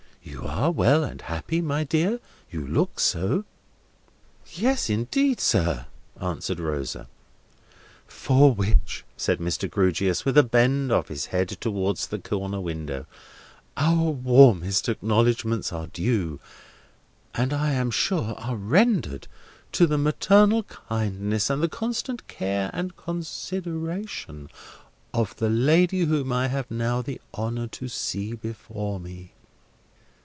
You are well and happy, my dear? You look so." "Yes, indeed, sir," answered Rosa. "For which," said Mr. Grewgious, with a bend of his head towards the corner window, "our warmest acknowledgments are due, and I am sure are rendered, to the maternal kindness and the constant care and consideration of the lady whom I have now the honour to see before me."